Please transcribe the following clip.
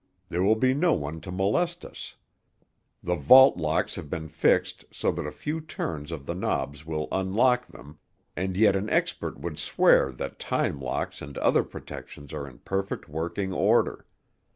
There will be no one to molest us. The vault locks have been fixed so that a few turns of the knobs will unlock them, and yet an expert would swear that time locks and other protections are in perfect working order.